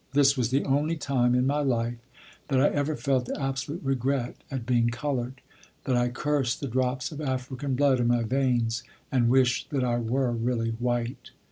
This was the only time in my life that I ever felt absolute regret at being colored, that I cursed the drops of African blood in my veins and wished that I were really white.